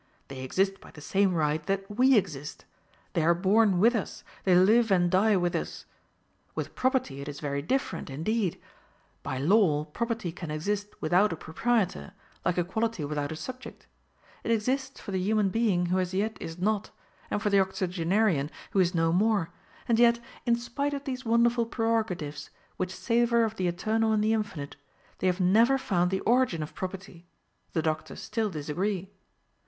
They exist by the same right that we exist; they are born with us, they live and die with us. With property it is very different, indeed. By law, property can exist without a proprietor, like a quality without a subject. It exists for the human being who as yet is not, and for the octogenarian who is no more. And yet, in spite of these wonderful prerogatives which savor of the eternal and the infinite, they have never found the origin of property; the doctors still disagree.